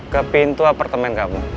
ke pintu apartemen kamu